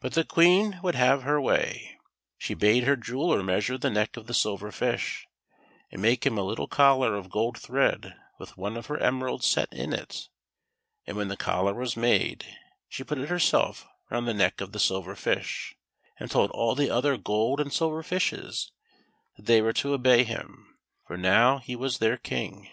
But the Queen would have her way. She bade her jeweller measure the neck of the Silver Fish, and make him a little collar of gold thread with one of her emeralds set in it ; and when the collar was made, she put it herself round the neck of the Silver Fish, and told all the other gold and silver fishes that they were to obey him, for now he was their King.